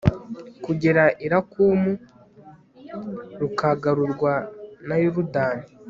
kugera i lakumu, rukagarurwa na yorudani